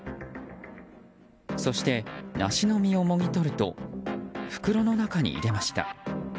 そして、梨の実をもぎ取ると袋の中に入れました。